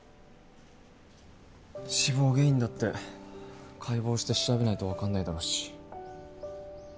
死亡原因だって解剖して調べないと分かんないだろうし。